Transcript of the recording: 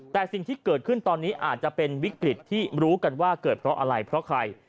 แต่สิ่งที่เกิดขึ้นตอนนี้อาจจะเป็นวิกฤตที่รู้กันว่าเกิดเพราะอะไรเพราะใคร